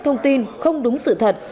thông tin không đúng sự thật